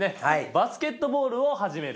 バスケットボールを始める。